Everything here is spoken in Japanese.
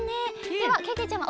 ではけけちゃま。